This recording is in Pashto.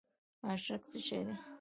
اشک څه شی دی؟